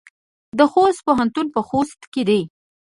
د خوست پوهنتون په خوست کې دی